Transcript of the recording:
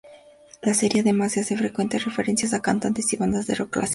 La serie además hace frecuentes referencias a cantantes y bandas de Rock clásico.